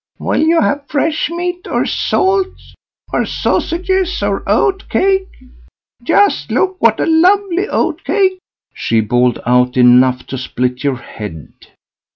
"Will you have fresh meat, or salt, or sausages, or oat cake? Just look, what a lovely oat cake", she bawled out enough to split your head.